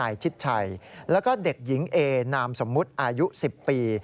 ชิดชัยแล้วก็เด็กหญิงเอนามสมมุติอายุ๑๐ปี